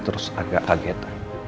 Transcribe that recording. terus agak kaget